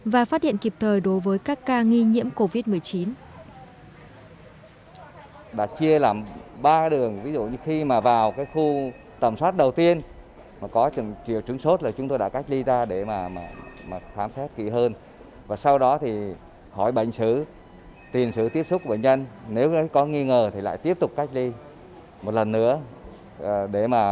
và phát hiện kịp thời đối với các ca nghi nhiễm covid một mươi chín